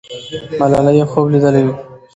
ملالۍ یو خوب لیدلی وو.